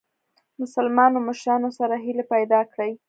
مسلمانو مشرانو سره هیلي پیدا کړې.